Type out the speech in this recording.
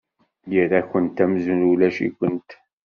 Yerra-kent amzun ulac-ikent.